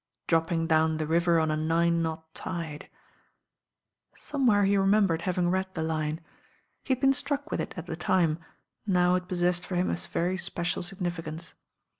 "Dropping down the river on a nine knot tide." Somewhere he rcmen.'jcrcd having read the line. He had been struck with it at the time, now it pos sessed for him a very special significance.